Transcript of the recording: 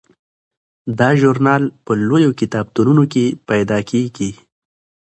دا ژورنال په لویو کتابتونونو کې پیدا کیږي.